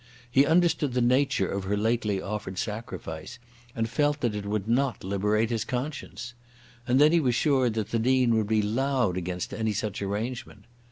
He understood the nature of her lately offered sacrifice, and felt that it would not liberate his conscience. And then he was sure that the Dean would be loud against any such arrangement.